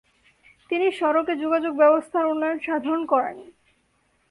তিনি সড়কে, যোগাযোগ ব্যবস্থার উন্নয়ন সাধন করেন।